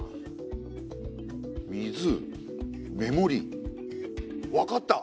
水目盛り分かった！